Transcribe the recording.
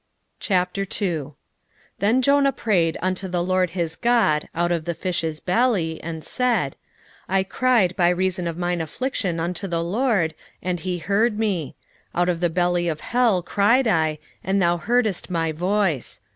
2:1 Then Jonah prayed unto the LORD his God out of the fish's belly, 2:2 And said, I cried by reason of mine affliction unto the LORD, and he heard me; out of the belly of hell cried I, and thou heardest my voice.